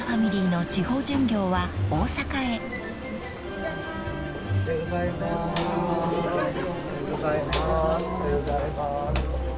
おはようございます。